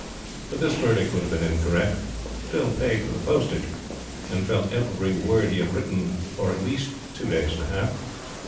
But this verdict would have been incorrect. Phil paid for the postage, and felt every word he had written for at least two days and a half.